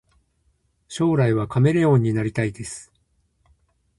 将来はカメレオンになりたいです